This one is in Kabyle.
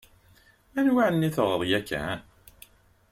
Anwa εni tuɣeḍ yakan?